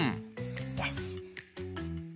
よし。